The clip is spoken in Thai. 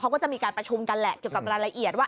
เขาก็จะมีการประชุมกันแหละเกี่ยวกับรายละเอียดว่า